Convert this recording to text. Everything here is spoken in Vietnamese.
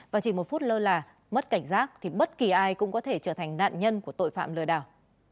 và chỉ một phút lơ là mất cảnh giác thì bất kỳ ai cũng có thể trở thành nạn nhân của tội phạm lừa đảo